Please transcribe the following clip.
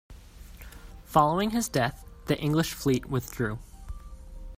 Following his death, the English fleet withdrew.